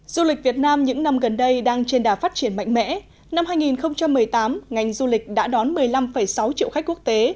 du lịch việt nam những năm gần đây đang trên đà phát triển mạnh mẽ năm hai nghìn một mươi tám ngành du lịch đã đón một mươi năm sáu triệu khách quốc tế